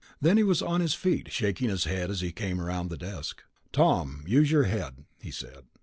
Then he was on his feet, shaking his head as he came around the desk. "Tom, use your head," he said.